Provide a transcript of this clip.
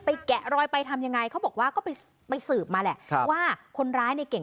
แกะรอยไปทำยังไงเขาบอกว่าก็ไปสืบมาแหละว่าคนร้ายในเก่ง